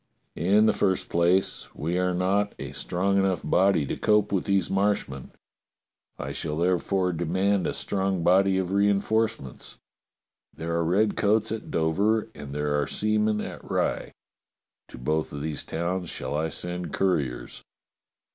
In the first place, we are not a strong enough body to cope with these Marshmen. I shall therefore demand a strong body of reinforcements. There are redcoats at Dover and there are seamen at Rye. To both of these towns shall I send couriers.